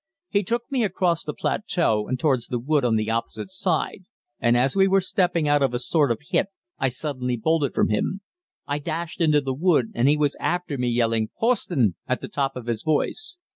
He took me across the plateau and towards the wood on the opposite side, and as we were stepping out of a sort of pit I suddenly bolted from him. I dashed into the wood and he was after me yelling "Posten" at the top of his voice.